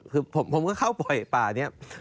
คือผมก็เข้าป่าเนี้ย